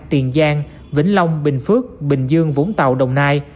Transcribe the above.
tiền giang vĩnh long bình phước bình dương vũng tàu đồng nai